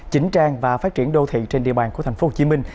chính trang và phát triển đô thị trên địa bàn của tp hcm